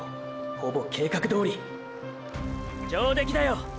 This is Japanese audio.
ほぼ計画どおり上出来だよ！！